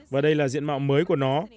và đây là diện mạo mới của nó